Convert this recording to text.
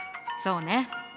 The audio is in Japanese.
そうね。